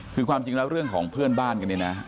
คือความจริงแล้วเรื่องของเพื่อนบ้านกันเนี่ยนะ